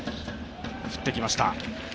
振ってきました。